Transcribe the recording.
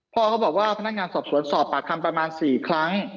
พ่อก็บอกว่าพนักงานสอบสวนสอบปากคำประมาณ๔ครั้ง